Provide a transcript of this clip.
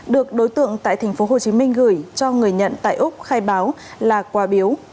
được đối tượng tại tp hcm gửi cho người nhận tại úc khai báo là quà biếu